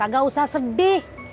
gak usah sedih